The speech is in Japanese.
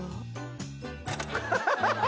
ハハハハハ！